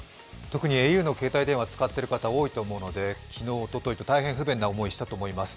特にａｕの携帯電話使っている方、多いと思うので、昨日、おとといと大変不便な思いをしたと思います。